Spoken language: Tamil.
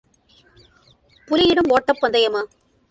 புலியிடம் ஓட்டப் பந்தயமா?